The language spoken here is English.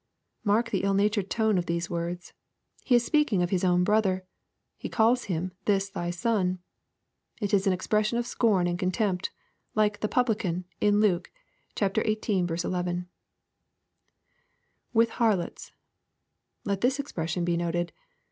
] Mark the ill natured tone of these words. He is speaking of his own brother. He calls him " this thy son." It is an expression of scorn and contempt, like " this publican" in Luke xviii. 11. [With harlots.] Let this expression be noted.